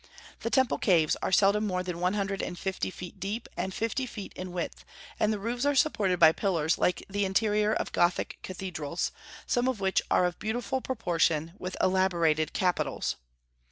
The temple caves are seldom more than one hundred and fifty feet deep and fifty feet in width, and the roofs are supported by pillars like the interior of Gothic cathedrals, some of which are of beautiful proportions with elaborated capitals.